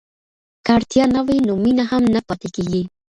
که اړتیا نه وي نو مینه هم نه پاتې کیږي.